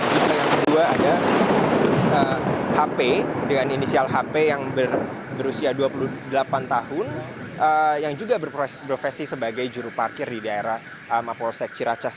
dan juga yang kedua ada hp dengan inisial hp yang berusia dua puluh delapan tahun yang juga berprofesi sebagai juru parkir di daerah polsek ciracas